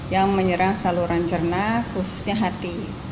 yang menyerang saluran cerna khususnya hati